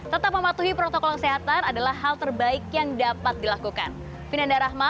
tetap mematuhi protokol kesehatan adalah hal terbaik yang dapat dilakukan